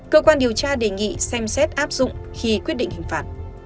cơ quan điều tra đề nghị xem xét áp dụng khi quyết định hình phạt